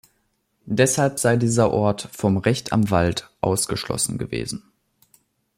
Deshalb sei dieser Ort vom Recht am Wald ausgeschlossen gewesen.